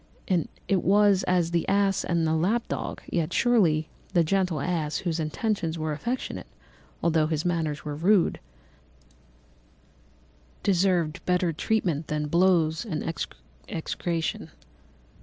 It was as the ass and the lap dog; yet surely the gentle ass whose intentions were affectionate, although his manners were rude, deserved better treatment than blows and execration.